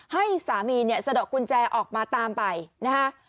ให้สามีเนี่ยสะดอกกุญแจออกมาตามไปนะฮะ